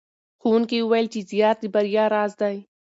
ښوونکي وویل چې زیار د بریا راز دی.